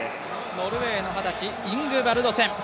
ノルウェーの二十歳、イングバルドセン。